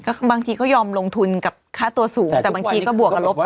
บางทีก็ยอมลงทุนกับค่าตัวสูงแต่บางทีก็บวกกับลบไป